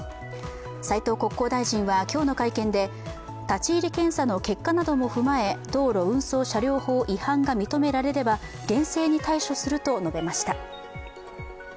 斉藤国交大臣は今日の会見で、立ち入り検査の結果なども踏まえ、道路運送車両法違反が認められれば厳正に対処すると述べました。